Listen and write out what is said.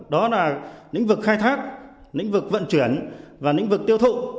đó là nĩnh vực khai thác nĩnh vực vận chuyển và nĩnh vực tiêu thụ